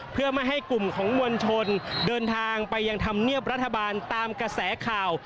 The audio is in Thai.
เพื่อไม่ให้กลุ่มของมวลชนเดินทางไปยังธรรมเนียบรัฐบาลตามกระแสข่าว